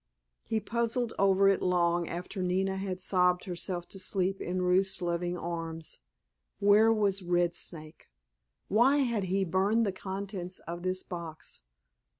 He puzzled over it long after Nina had sobbed herself to sleep in Ruth's loving arms. Where was Red Snake? Why had he burned the contents of this box?